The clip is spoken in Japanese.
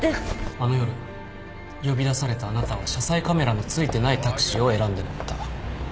あの夜呼び出されたあなたは車載カメラのついてないタクシーを選んで乗った。